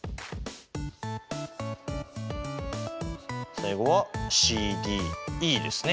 最後はＣＤＥですね。